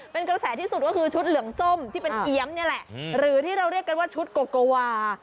เป็นกระแสที่สุดก็คือชุดเหลืองส้มที่เป็นเอี๊ยมนี่แหละหรือที่เราเรียกกันว่าชุดโกโกวา